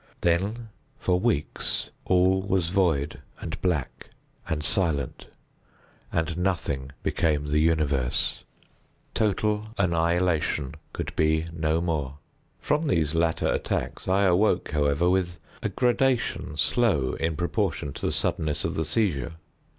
Then, for weeks, all was void, and black, and silent, and Nothing became the universe. Total annihilation could be no more. From these latter attacks I awoke, however, with a gradation slow in proportion to the suddenness of the seizure.